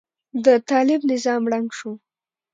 د طالب نظام ړنګ شو.